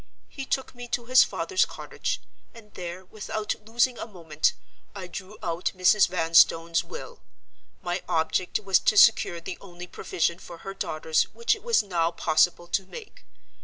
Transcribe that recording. He took me to his father's cottage; and there, without losing a moment, I drew out Mrs. Vanstone's will. My object was to secure the only provision for her daughters which it was now possible to make.